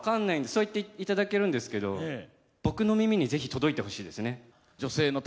そう言っていただけるんですけど、僕の耳にぜひ届いてほしいですね。